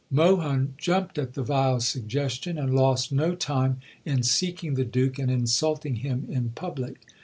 Mohun jumped at the vile suggestion, and lost no time in seeking the Duke and insulting him in public.